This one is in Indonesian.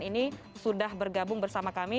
ini sudah bergabung bersama kami